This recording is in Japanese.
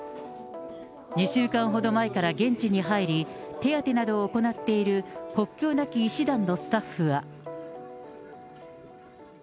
２週間ほど前から現地に入り、手当てなどを行っている国境なき医師団のスタッフは。